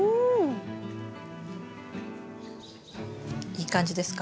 いい感じですか？